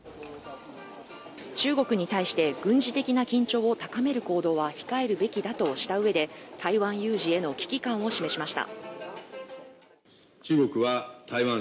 中国に対して軍事的な緊張を高める行動は控えるべきだとしたうえで台湾有事への危機感を示しました。